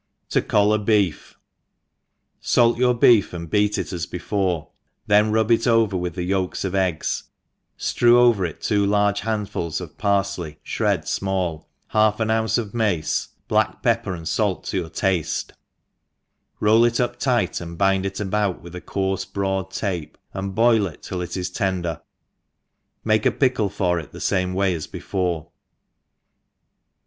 To collar Beef. SALT your beef, and beat it as before, then rubJt over with the yolks of eggs, fl:rew over it two 1 ^d4 THE EXPERIENCEO two large handfuls of parfley flired fmall^ hal/ art ounce of mace, black pepper and fait to your taile^ roll it up tigljt, and bind it about with a coarfe broad tape^ and boil it till it is tender i make a pickle for it the fame way as before.